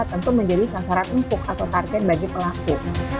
tentu menjadi sasaran empuk atau target bagi pelaku